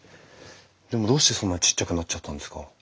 でもどうしてそんなにちっちゃくなっちゃったんですか？